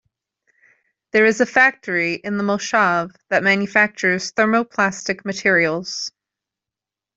There is a factory in the moshav that manufactures thermoplastic materials.